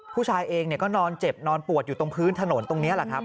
ผู้ชายเองก็นอนเจ็บนอนปวดอยู่ตรงพื้นถนนตรงนี้แหละครับ